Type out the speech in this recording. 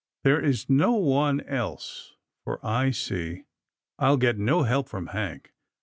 There is no one else, for I see I'll get no help from Hank.